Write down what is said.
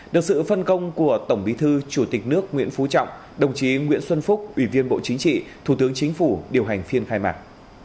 được sự phân công của tổng bí thư chủ tịch nước nguyễn phú trọng đồng chí nguyễn xuân phúc ủy viên bộ chính trị thủ tướng chính phủ điều hành phiên khai mạc